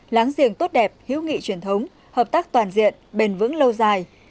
láng giềng tốt đẹp hữu nghị truyền thống hợp tác toàn diện bền vững lâu dài